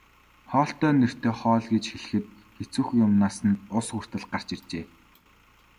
Хоол нэртэй хоол гэж хэлэхэд хэцүүхэн юмнаас нь үс хүртэл гарч иржээ.